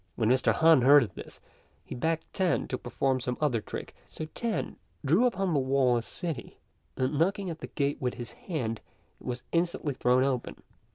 When Mr. Han heard of this, he begged Tan to perform some other trick; so Tan drew upon the wall a city, and knocking at the gate with his hand it was instantly thrown open.